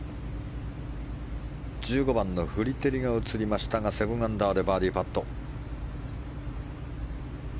１５番のフリテリが映りましたが７アンダーでバーディーパット。